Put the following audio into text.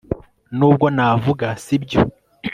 Nubwo navuga si byo